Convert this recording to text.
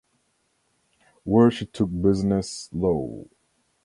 Where she took business law.